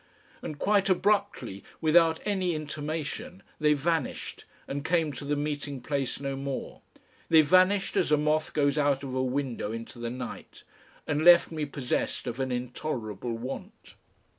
And quite abruptly, without any intimation, they vanished and came to the meeting place no more, they vanished as a moth goes out of a window into the night, and left me possessed of an intolerable want....